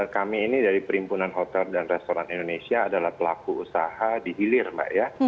kami ini dari perhimpunan hotel dan restoran indonesia adalah pelaku usaha di hilir mbak ya